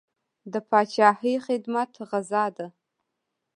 د پاچاهۍ خدمت غزا ده.